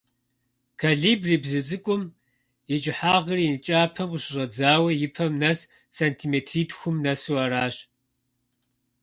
Колибри бзу цIыкIум и кIыхьагъыр и кIапэм къыщыщIэдзауэ и пэм нэс сэнтиметритхум нэсу аращ.